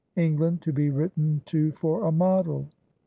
England to be written to for a model."